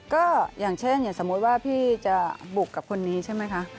ก็อย่างเช่นอย่างสมมุติว่าพี่จะบุกกับคนนี้ใช่ไหมคะ